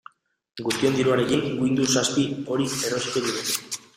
Guztion diruarekin Windows zazpi hori erosiko digute.